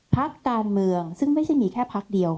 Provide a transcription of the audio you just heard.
พักการเมืองซึ่งไม่ใช่มีแค่พักเดียว